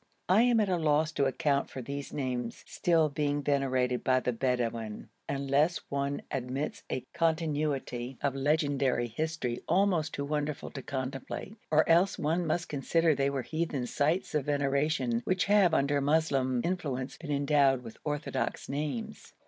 I am at a loss to account for these names being still venerated by the Bedouin, unless one admits a continuity of legendary history almost too wonderful to contemplate, or else one must consider that they were heathen sites of veneration, which have, under Moslem influence, been endowed with orthodox names.